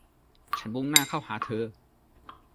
ฉันมุ่งหน้าเข้าหาเธอ